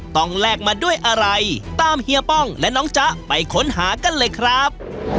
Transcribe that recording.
แลกมาด้วยอะไรตามเฮียป้องและน้องจ๊ะไปค้นหากันเลยครับ